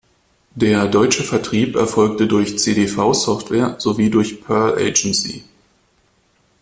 Der deutsche Vertrieb erfolgte durch cdv Software sowie durch Pearl Agency.